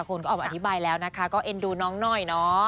คนก็ออกมาอธิบายแล้วนะคะก็เอ็นดูน้องหน่อยเนาะ